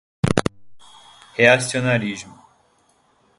reaccionarismo